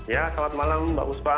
ya selamat malam mbak uspa